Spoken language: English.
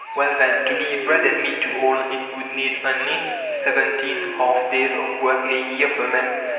Well, then, to give bread and meat to all, it would need only seventeen half days of work a year per man.